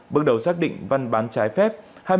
bước đầu xác định văn bán trái phép